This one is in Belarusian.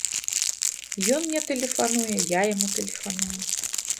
Ён мне тэлефануе, я яму тэлефаную.